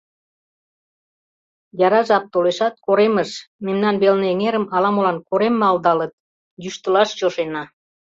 Яра жап толешат, коремыш — мемнан велне эҥерым ала-молан «корем» малдалыт — йӱштылаш чошена.